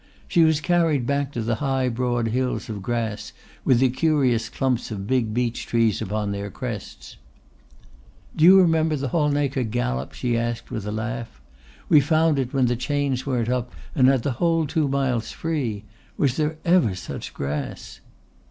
She was carried back to the high broad hills of grass with the curious clumps of big beech trees upon their crests. "Do you remember Halnaker Gallop?" she asked with a laugh. "We found it when the chains weren't up and had the whole two miles free. Was there ever such grass?"